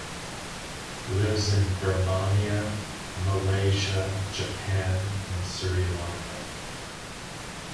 Lives in Birmania, Malaysia, Japan and Sri Lanka.